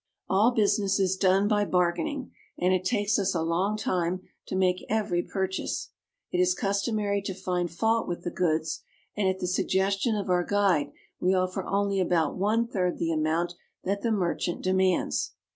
All business is done by bargaining, and it takes us a long time to make every purchase. It is customary to find fault with the goods, and at the suggestion of our guide we offer only about one third the amount that the merchant demands.